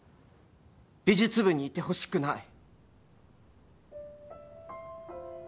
美術部にいてほしくない。